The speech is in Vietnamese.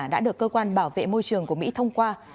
đã được cơ quan bảo vệ môi trường của mỹ thông qua